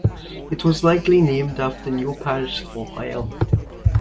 It was likely named after New Paris, Ohio.